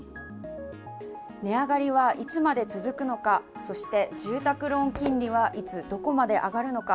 値上がりはいつまで続くのかそして住宅ローン金利はいつどこまで上がるのか。